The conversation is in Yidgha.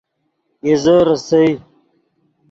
اِیزے ریسئے